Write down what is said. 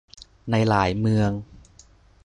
ในหลายเมือง